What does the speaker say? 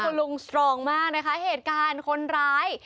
คุณลุงนะคะเหตุการณ์คนร้าย